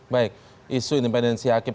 baik isu independensi hakim